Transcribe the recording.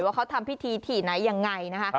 ว่าเขาทำพิธีที่ไหนยังไงนะคะ